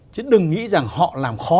chứ đừng nghĩ rằng họ làm khó